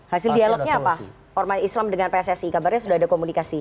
hasil dialognya apa ormas islam dengan pssi kabarnya sudah ada komunikasi